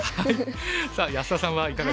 さあ安田さんはいかがですか？